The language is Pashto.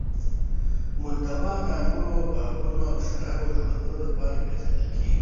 مولدوا د انګورو باغونو او شرابو جوړونې لپاره پېژندل کیږي.